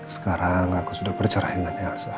sekarang aku sudah bercerah dengan elsa